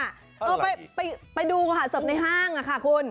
เออไปดูค่ะเสิร์ฟในห้างค่ะคุณ